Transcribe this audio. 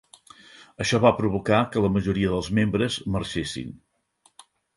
Això va provocar que la majoria dels membres marxessin.